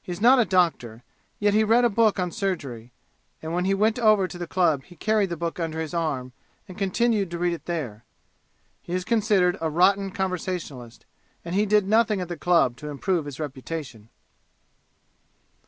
He is not a doctor, yet he read a book on surgery, and when he went over to the club he carried the book under his arm and continued to read it there. He is considered a rotten conversationalist, and he did nothing at the club to improve his reputation.